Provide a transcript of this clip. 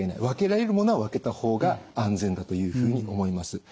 分けられる物は分けた方が安全だというふうに思います。